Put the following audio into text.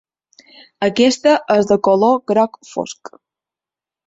Aquesta és de color groc fosc.